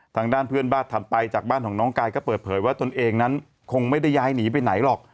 ทางด้านเพื่อนบ้านถัดไปจากบ้านของน้องกายก็เปิดเผยว่าตนเองนั้นคงไม่ได้ย้ายหนีไปไหนหรอก